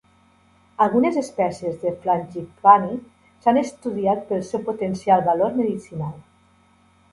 Algunes espècies de "frangipani" s'han estudiat pel seu potencial valor medicinal.